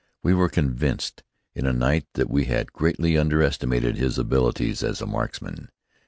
We were convinced in a night that we had greatly underestimated his abilities as a marksman.